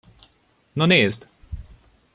No nézd!